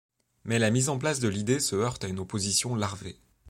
Mais la mise en place de l'idée se heurte à une opposition larvée.